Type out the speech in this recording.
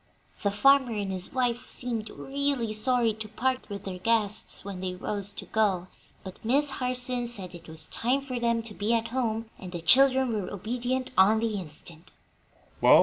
The farmer and his wife seemed really sorry to part with their guests when they rose to go, but Miss Harson said that it was time for them to be at home, and the children were obedient on the instant.